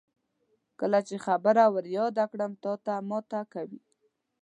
کله چې خبره ور یاده کړم تاته ماته کوي.